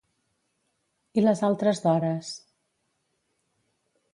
I les altres d'hores?